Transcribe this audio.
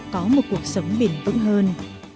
có một cuộc sống bền vững hơn